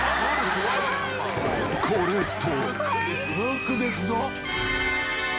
［これと］